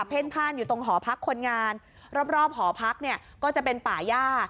พ่านอยู่ตรงหอพักคนงานรอบหอพักเนี่ยก็จะเป็นป่าย่า